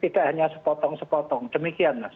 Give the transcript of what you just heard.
tidak hanya sepotong sepotong demikian mas